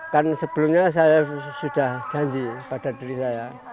kan sebelumnya saya sudah janji pada diri saya